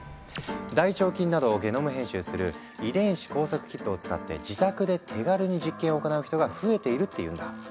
大腸菌などをゲノム編集する「遺伝子工作キット」を使って自宅で手軽に実験を行う人が増えているっていうんだ。